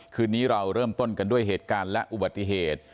คืนนี้เราเริ่มต้นกันด้วยเหตุการณ์และอุบัติเหตุ